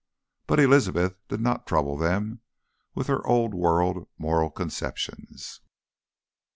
But Elizabeth did not trouble them with her old world moral conceptions.